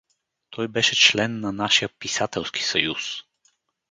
Той беше член на нашия Писателски съюз.